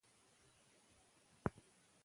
شک نه پیدا کېږي.